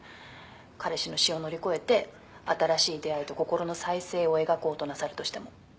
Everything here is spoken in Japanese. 「彼氏の死を乗り越えて新しい出会いと心の再生を描こうとなさるとしても」